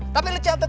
tapi lo jangan tetik